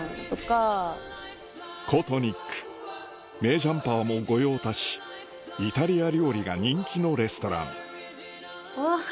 名ジャンパーも御用達イタリア料理が人気のレストランうわ！